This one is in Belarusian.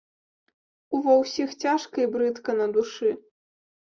Ува ўсіх цяжка і брыдка на душы.